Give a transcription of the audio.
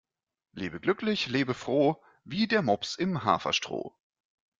Lebe glücklich, lebe froh, wie der Mops im Haferstroh.